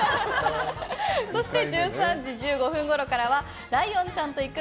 そして１３時１５分ごろからはライオンちゃんと行く！